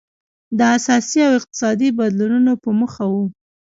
دا د سیاسي او اقتصادي بدلونونو په موخه و.